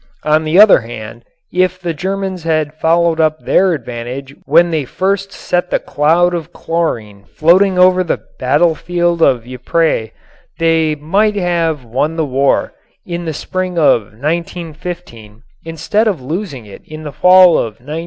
On the other hand, if the Germans had followed up their advantage when they first set the cloud of chlorine floating over the battlefield of Ypres they might have won the war in the spring of 1915 instead of losing it in the fall of 1918.